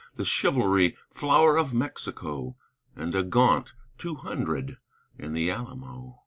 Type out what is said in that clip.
The chivalry, flower of Mexico; And a gaunt two hundred in the Alamo!